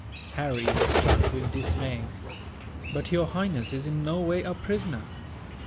Harry was struck with dismay. "But Your Highness is in no way a prisoner!"